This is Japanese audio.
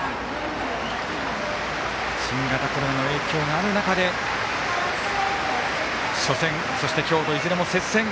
新型コロナの影響がある中で初戦、そして今日といずれも接戦。